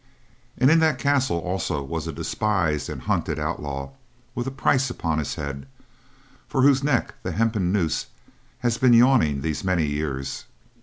And in that castle also was a despised and hunted outlaw, with a price upon his head, for whose neck the hempen noose has been yawning these many years.